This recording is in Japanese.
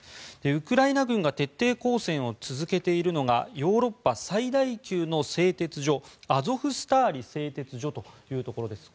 ウクライナ軍が徹底抗戦を続けているのがヨーロッパ最大級の製鉄所アゾフスターリ製鉄所というところです。